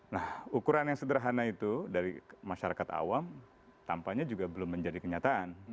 nah ukuran yang sederhana itu dari masyarakat awam tampaknya juga belum menjadi kenyataan